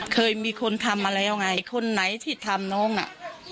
เคยมีคนทำมาแล้วไงคนไหนที่ทำน้องน่ะ